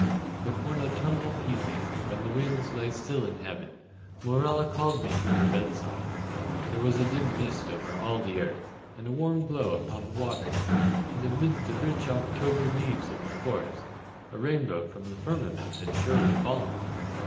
But one autumnal evening, when the winds lay still in heaven, Morella called me to her bedside. There was a dim mist over all the earth, and a warm glow upon the waters, and amid the rich October leaves of the forest, a rainbow from the firmament had surely fallen.